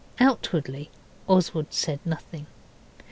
Outwardly Oswald said nothing.